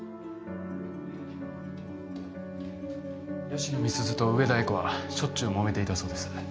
吉野美鈴と植田栄子はしょっちゅう揉めていたそうです。